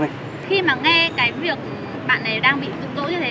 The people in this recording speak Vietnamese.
khi mà nghe cái việc bạn này đang bị dụng dỗ như thế